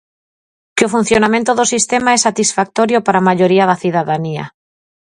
Que o funcionamento do sistema é satisfactorio para a maioría da cidadanía.